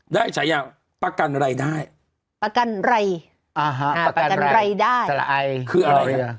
ได้ใช้อย่างประกันไรได้ประกันไรอ่าฮะประกันไรได้คืออะไร